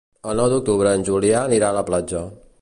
El nou d'octubre en Julià anirà a la platja.